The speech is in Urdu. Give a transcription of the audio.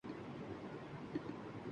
تو یہی ہو تا رہے گا۔